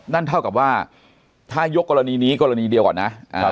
นั่นเท่ากับว่าถ้ายกกรณีนี้กรณีเดียวก่อนนะ